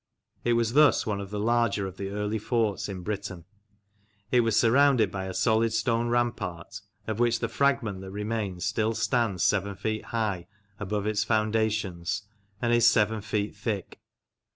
It was thus one of the larger of the early forts in Britain. It was surrounded by a solid stone rampart, of which the fragment that remains still stands seven feet high above its foundations and is seven feet thick.